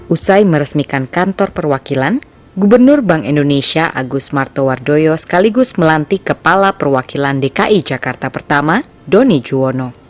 usai meresmikan kantor perwakilan gubernur bank indonesia agus martowardoyo sekaligus melantik kepala perwakilan dki jakarta pertama doni juwono